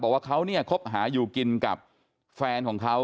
บอกว่าเขาเนี่ยคบหาอยู่กินกับแฟนของเขา